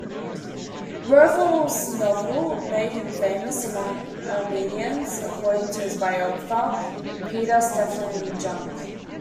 Werfel's novel made him famous among Armenians, according to his biographer, Peter Stephan Jungk.